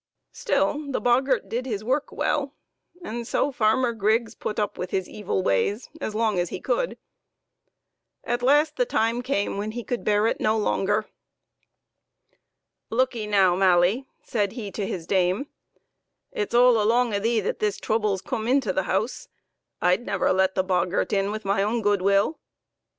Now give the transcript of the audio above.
Still the boggart did his work well, and so Farmer Griggs put up with his evil ways as long as he could. At last the time came when he could bear it no longer. " Look 'ee, now, Mally," said he to his dame, "it's all along o' thee that this trouble's coome intull th' house. I'd never let the boggart in with my own good will!"